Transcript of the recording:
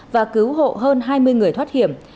và cứu hộ hơn hai mươi người thoát hiểm